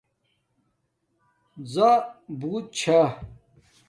زُݸربݸت چھݳ